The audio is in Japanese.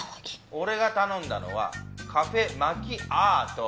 俺が頼んだのはカフェ・マキアート。